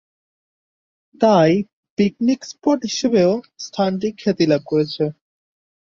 তাই picnic spot হিসেবেও স্থানটি খ্যাতি লাভ করেছে।